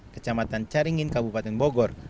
kecamatan caringin kabupaten bogor